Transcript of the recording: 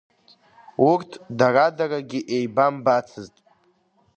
Урҭ дара-дарагьы еибамбаӡацызт.